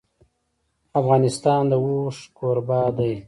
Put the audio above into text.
افغانستان د اوښ کوربه دی.